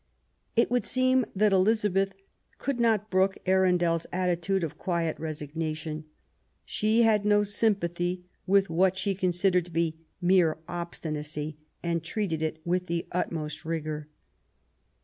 It would seem that Elizabeth could not brook ArundeFs attitude of quiet resignation. She had no sympathy with what she considered to be mere obstinacy, and treated it with the utmost rigour.